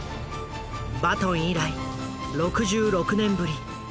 バトン以来６６年ぶり